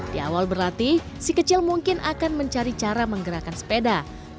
di awal berlatih si kecil mungkin akan mencari cara menggerakkan sepeda